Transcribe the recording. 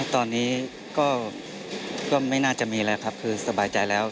ตอนนี้ก็ไม่น่าจะมีแล้วครับคือสบายใจแล้ว